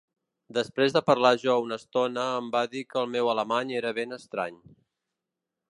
Després de parlar jo una estona em va dir que el meu alemany era ben estrany.